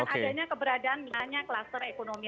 adanya keberadaan misalnya kluster ekonomi